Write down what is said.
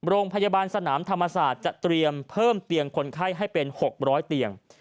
โรงพยาบาลสนามธรรมศาสตร์จะเตรียมเพิ่มเตียงคนไข้ให้เป็น๖๐๐เตียง